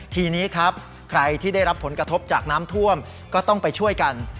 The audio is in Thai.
ทีนี้ครับใครที่ได้รับผลกระทบจากน้ำท่วมก็ต้องไปช่วยกัน